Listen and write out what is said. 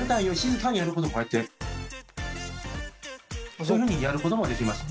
そういうふうにやることもできますね。